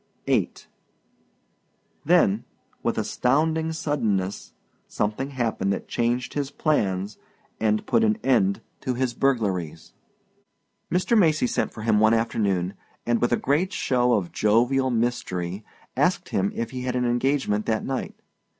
VIII Then with astounding suddenness something happened that changed his plans and put an end to his burglaries. Mr. Macy sent for him one afternoon and with a great show of jovial mystery asked him if he had an engagement that night.